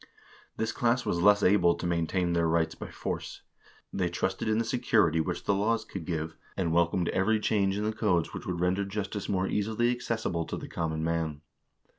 This class was less able to maintain their rights by force. They trusted in the security which the laws could give, and welcomed every change in the codes which would render justice more easily accessible to the common man.